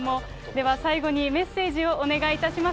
では最後にメッセージをお願いいたします。